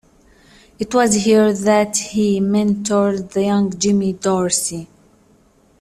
It was here that he mentored the young Jimmy Dorsey.